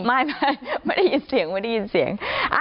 ไม่ไม่ได้ยินเสียง